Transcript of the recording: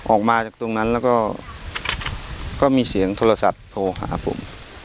ออกมาจากตรงนั้นแล้วก็มีเสียงโทรศัพท์โทรหาผม